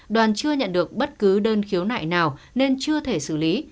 đoàn chưa nhận được bất cứ đơn khiếu nại nào nên chưa thể xử lý